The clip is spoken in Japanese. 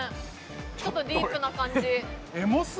ちょっとディープな感じ